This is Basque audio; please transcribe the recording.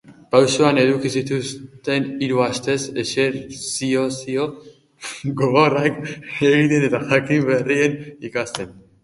Pausuan eduki zituzten hiru astez, exerzizio gogorrak egiten eta jakintza berrien ikasten.